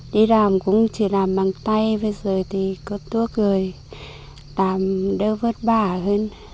đi làm cũng chỉ làm bằng tay bây giờ thì có thuốc rồi làm đều vất bả hơn